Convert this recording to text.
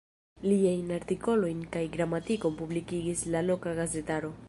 Liajn artikolojn kaj gramatikon publikigis la loka gazetaro.